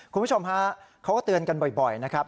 คุณผู้ชมฮะเขาก็เตือนกันบ่อยนะครับ